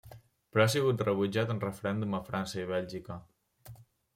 Però ha sigut rebutjat en referèndum a França i Bèlgica.